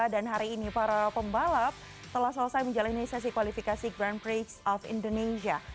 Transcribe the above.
dan hari ini para pembalap telah selesai menjalani sesi kualifikasi grand prix of indonesia